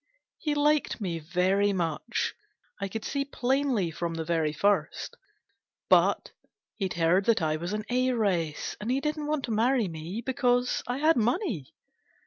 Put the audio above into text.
He liked me very much I could see plainly from the very first ; but he'd heard that I was an heiress, and he didn't want to marry me, because I had money.